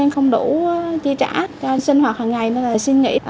không đủ chia trả cho sinh hoạt hằng ngày nên là xin nghỉ